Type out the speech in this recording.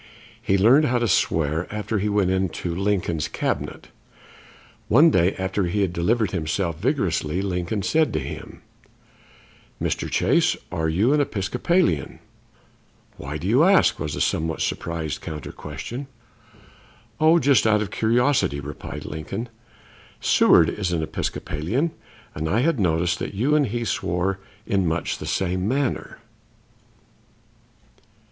He learned how to swear after he went into Lincoln's Cabinet. One day, after he had delivered himself vigorously, Lincoln said to him: "Mr. Chase, are you an Episcopalian?" "Why do you ask?" was the somewhat surprised counter question. "Oh, just out of curiosity," replied Lincoln. "Seward is an Episcopalian, and I had noticed that you and he swore in much the same manner."